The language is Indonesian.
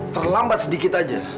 terlambat sedikit aja